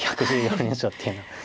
１１４連勝っていうの。